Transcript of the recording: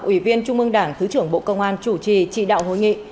ủy viên trung mương đảng thứ trưởng bộ công an chủ trì chỉ đạo hội nghị